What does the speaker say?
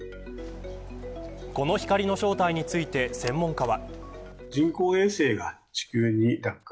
この光の正体について専門家は。